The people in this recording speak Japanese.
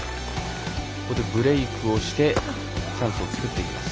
ここでブレークをしてチャンスを作っていきます。